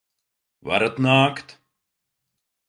Varat nākt!